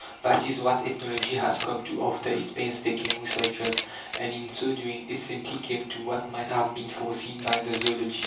That is what ethnology has come to after its painstaking researches. And in so doing it simply came to what might have been foreseen by the zoologist.